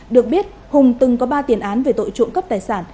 được biết hùng từng có ba tiền án về tội trộm cắp tài sản